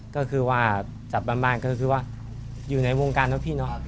ก็คือว่ากลับบ้านก็คือว่าอยู่ในวงการนะพี่เนาะ